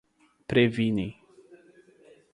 previne